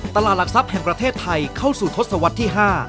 หลักทรัพย์แห่งประเทศไทยเข้าสู่ทศวรรษที่๕